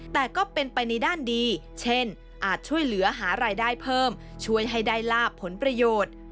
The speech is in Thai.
แต่ก็เป็นไปในด้านดีเช่นอาจช่วยเหลือหารายได้เพิ่มช่วยให้ได้ลาบผลประโยชน์